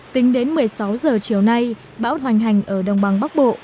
tính đến một mươi sáu giờ chiều nay bão hoành hành ở đồng bằng bắc bộ